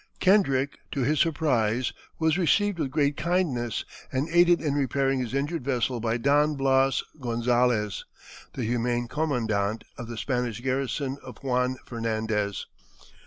Kendrick, to his surprise, was received with great kindness and aided in repairing his injured vessel by Don Blas Gonzales, the humane commandant of the Spanish garrison of Juan Fernandez.